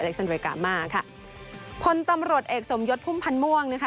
อเล็กซันเดรกามาค่ะคนตำรสเอกสมยดพุ่มพันธุ์ม่วงนะคะ